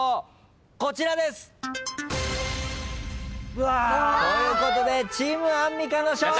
こちらです！ということでチームアンミカの勝利！